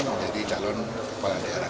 menjadi calon kepala daerah